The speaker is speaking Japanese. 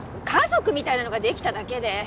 家族みたいなのができただけで。